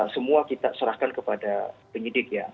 semua kita serahkan kepada penyidik ya